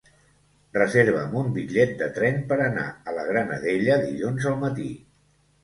Reserva'm un bitllet de tren per anar a la Granadella dilluns al matí.